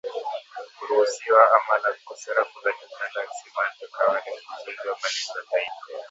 kuruhusiwa ama la kwa sarafu za kimtandao alisema Andrew Kaware mkurugenzi wa malipo ya taifa